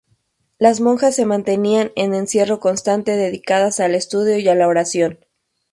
Las monjas se mantenían en encierro constante, dedicadas al estudio y a la oración.